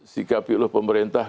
sikapi oleh pemerintah